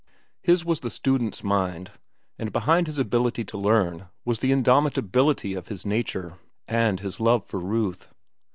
His was the student's mind, and behind his ability to learn was the indomitability of his nature and his love for Ruth.